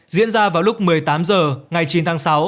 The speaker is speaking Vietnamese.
diễn ra vào lúc một mươi tám h ngày chín tháng sáu